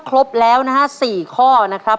ครบแล้วนะฮะ๔ข้อนะครับ